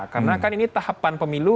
karena kan ini tahapan pemilu